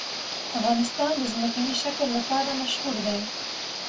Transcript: افغانستان د ځمکنی شکل لپاره مشهور دی.